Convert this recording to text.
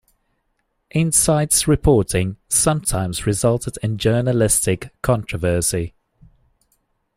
"Insight's" reporting sometimes resulted in journalistic controversy.